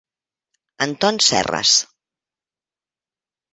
Anton Serres.